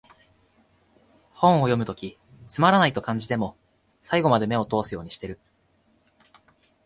本を読むときつまらないと感じても、最後まで目を通すようにしてる